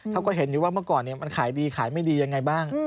เขาก็เห็นอยู่ว่าเมื่อก่อนมันขายดีขายไม่ดียังไงบ้าง